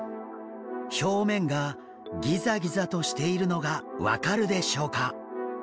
表面がギザギザとしているのが分かるでしょうか？